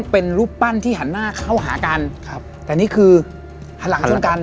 เป็นรูปปั้นที่หันหน้าเข้าหากันครับแต่นี่คือหันหลังชนกัน